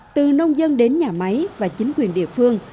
từ nông dân đến nhà máy và chính quyền địa phương